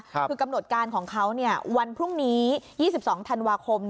คือกำหนดการของเขาวันพรุ่งนี้๒๒ธันวาคม